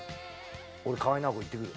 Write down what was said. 「俺河合奈保子行ってくる。